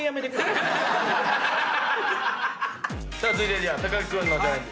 続いては木君のチャレンジ。